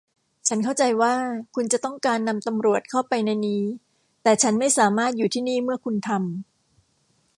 ฉันเข้าใจว่าคุณจะต้องการนำตำรวจเข้าไปในนี้ แต่ฉันไม่สามารถอยู่ที่นี่เมื่อคุณทำ